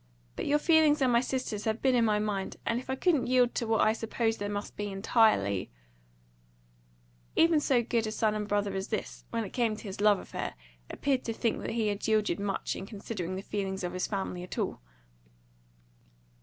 But your feelings and my sisters' have been in my mind, and if I couldn't yield to what I supposed they must be, entirely " Even so good a son and brother as this, when it came to his love affair, appeared to think that he had yielded much in considering the feelings of his family at all.